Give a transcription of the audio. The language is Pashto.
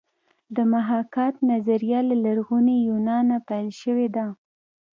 د محاکات نظریه له لرغوني یونانه پیل شوې ده